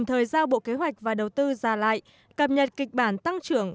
đồng thời giao bộ kế hoạch và đầu tư ra lại cập nhật kịch bản tăng trưởng